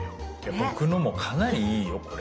僕のもかなりいいよこれ。